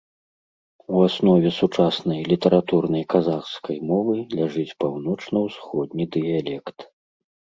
У аснове сучаснай літаратурнай казахскай мовы ляжыць паўночна-ўсходні дыялект.